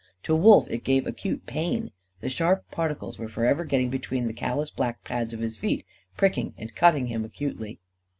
To Wolf it gave acute pain. The sharp particles were forever getting between the callous black pads of his feet, pricking and cutting him acutely.